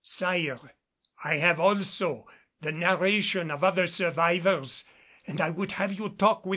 "Sire, I have also the narration of other survivors and I would have you talk with M.